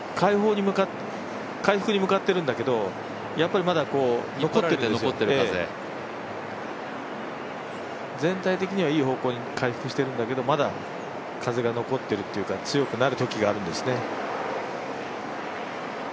回復に向かってるんだけどやっぱりまだ残ってたりして、風が全体的にはいい方向に回復してるんだけど、まだ風が残ってるというか強くなるときがあるんですね。